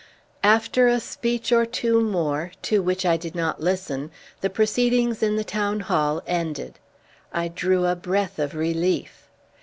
After a speech or two more, to which I did not listen, the proceedings in the Town Hall ended. I drew a breath of relief.